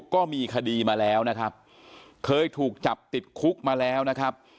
ก็มีคดีมาแล้วนะครับเคยถูกจับติดคุกมาแล้วนะครับ